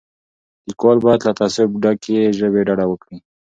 لیکوال باید له تعصب ډکې ژبې ډډه وکړي.